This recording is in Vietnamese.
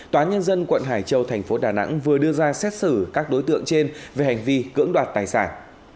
tòa nhân dân quận hải châu thành phố đà nẵng vừa đưa ra xét xử các đối tượng trên về hành vi cưỡng đoạt tài sản